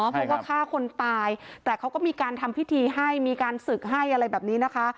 เพราะว่าฆ่าคนตายแต่เขาก็มีการทำพิธีให้มีการศึกให้อะไรแบบนี้นะคะ